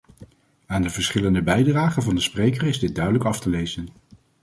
Aan de verschillende bijdragen van de sprekers is dit duidelijk af te lezen.